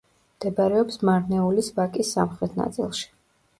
მდებარეობს მარნეულის ვაკის სამხრეთ ნაწილში.